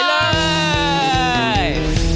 ไปเลย